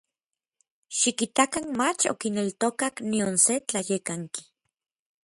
Xikitakan mach okineltokak nion se tlayekanki.